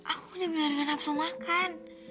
aku ini bener nggak nabes mau makan